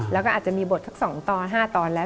แล้วก็อาจจะมีบทสัก๒ตอน๕ตอนแล้ว